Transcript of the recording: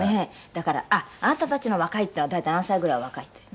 だからあっあなたたちの若いっていうのは大体、何歳ぐらいを若いっていうの？